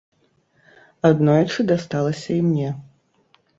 Аднойчы дасталася і мне.